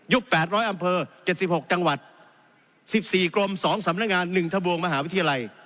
๘๐๐อำเภอ๗๖จังหวัด๑๔กรม๒สำนักงาน๑ทะบวงมหาวิทยาลัย